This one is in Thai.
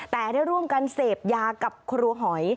แต่ได้ร่วมกันเสพยากับครัวหอย